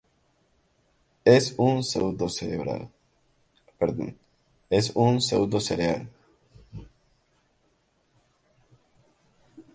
Es un seudo-cereal.